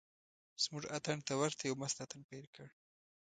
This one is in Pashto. زموږ اتڼ ته ورته یو مست اتڼ پیل کړ.